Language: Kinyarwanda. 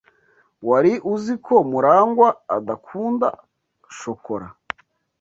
Wari uzi ko Murangwa adakunda shokora?